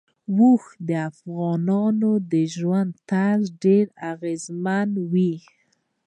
اوښ د افغانانو د ژوند طرز ډېر اغېزمنوي.